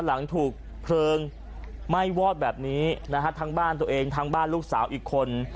หลังถูกเพลิงไหม้วอดแบบนี้นะฮะทั้งบ้านตัวเองทั้งบ้านลูกสาวอีกคน